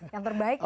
yang terbaik ya